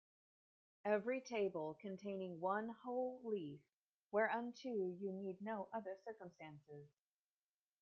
Every Table containing one whole leaf, whereunto you need no other circumstances.